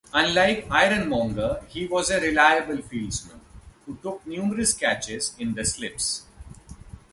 Unlike Ironmonger, he was a reliable fieldsman, who took numerous catches in the slips.